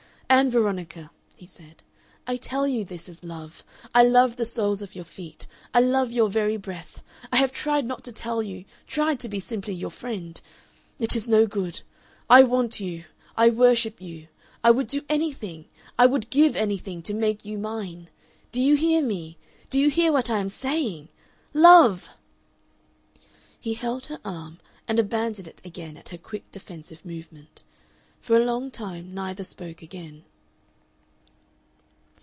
"Ann Veronica," he said, "I tell you this is love. I love the soles of your feet. I love your very breath. I have tried not to tell you tried to be simply your friend. It is no good. I want you. I worship you. I would do anything I would give anything to make you mine.... Do you hear me? Do you hear what I am saying?... Love!" He held her arm and abandoned it again at her quick defensive movement. For a long time neither spoke again.